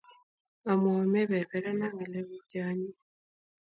Amwaun meperperana ng'alekuk che anyiny